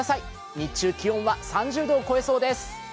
日中気温は３０度を超えそうです。